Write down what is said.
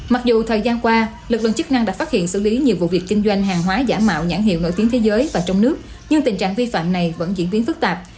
mặc dù thời gian qua lực lượng chức năng đã phát hiện xử lý nhiều vụ việc kinh doanh hàng hóa giả mạo nhãn hiệu nổi tiếng thế giới và trong nước nhưng tình trạng vi phạm này vẫn diễn biến phức tạp